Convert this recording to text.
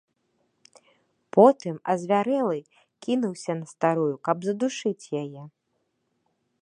Потым, азвярэлы, кінуўся на старую, каб задушыць яе.